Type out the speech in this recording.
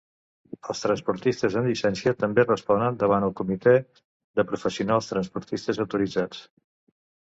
Els transportistes amb llicència també responen davant del Comitè de professionals transportistes autoritzats.